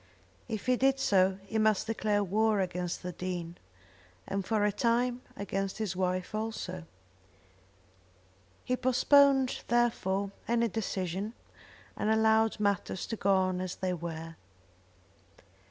If he did so he must declare war against the Dean, and, for a time, against his wife also. He postponed, therefore, any decision, and allowed matters to go on as they were.